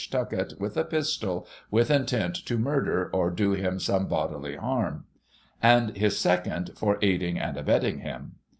Tuckett with a pistol, with intent to murder, or do him some bodily harm "; and his second, for aiding and abetting him.